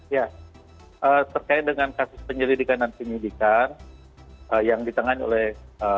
ya terkait dengan kasus penyelidikan dan penyidikan yang ditangani oleh